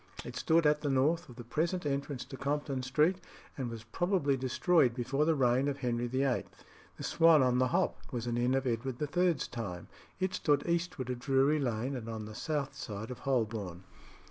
It stood at the north of the present entrance to Compton Street, and was probably destroyed before the reign of Henry VIII. The Swan on the Hop was an inn of Edward III.'s time; it stood eastward of Drury Lane and on the south side of Holborn.